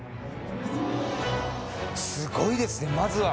すっごいですねまずは。